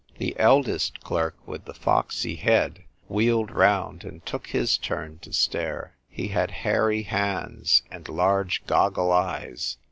The eldest clerk, with the foxy head, wheeled round, and took his turn to stare. He had hairy hands and large gogg'e eyes.